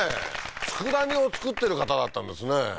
佃煮を作ってる方だったんですね